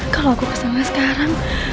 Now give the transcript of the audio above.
kalau aku kesana sekarang